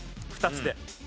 ２つで。